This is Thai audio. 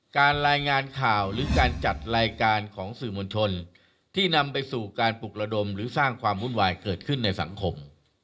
การรายงานข่าวหรือการจัดรายการของสื่อมวลชนที่นำไปสู่การปลุกระดมหรือสร้างความวุ่นวายเกิดขึ้นในสังคม